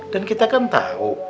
dan kita kan tahu